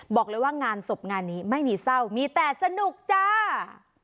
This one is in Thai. บอกเลยว่างานศพงานนี้ไม่มีเศร้ามีแต่สนุกจ้า